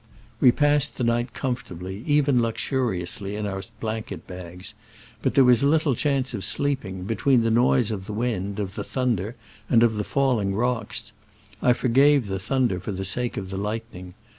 We passed the night comfortably, even luxuriously, in our blanket bags, but there was little chance of sleeping, between the noise of the wind, of the thunder and of the falling rocks. I forgave the thunder for the sake of the lightning.